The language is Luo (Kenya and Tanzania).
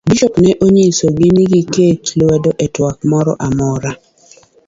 Bisop ne onyiso gi ni giket lwedo e twak moro amora.